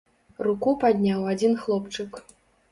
Руку падняў адзін хлопчык.